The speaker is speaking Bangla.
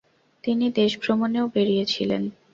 তিনি দেশভ্রমণেও বেরিয়েছিলেন।